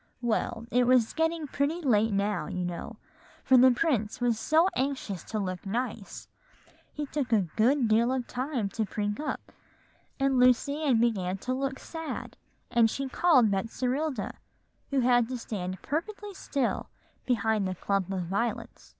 "Well, it was getting pretty late now, you know, for the prince was so anxious to look nice, he took a good deal of time to prink up; and Lucy Ann began to look sad, and she called Betserilda, who had to stand perfectly still behind the clump of violets.